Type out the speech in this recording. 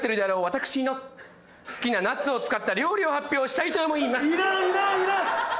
私の好きなナッツを使った料理を発表したいと思います。